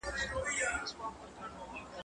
زه کولای سم زدکړه وکړم!؟